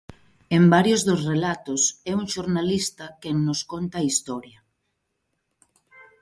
En varios dos relatos é un xornalista quen nos conta a historia.